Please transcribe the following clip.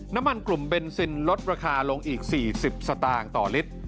น้ำมันกลุ่มเบนซินลดราคาลงอีก๔๐สตางค์ต่อลิตร